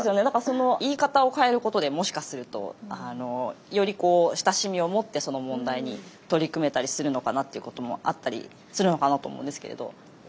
何かその言い方を変えることでもしかするとより親しみをもってその問題に取り組めたりするのかなっていうこともあったりするのかなと思うんですけれど。